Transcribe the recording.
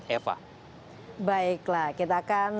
eva baiklah kita akan